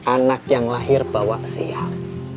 anak yang lahir bawa pesiar